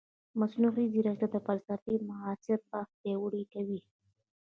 مصنوعي ځیرکتیا د فلسفې معاصر بحث پیاوړی کوي.